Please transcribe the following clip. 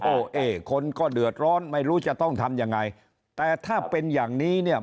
โอเคคนก็เดือดร้อนไม่รู้จะต้องทำยังไงแต่ถ้าเป็นอย่างนี้เนี่ย